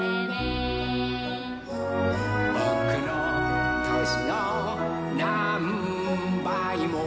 「ぼくのとしのなんばいも」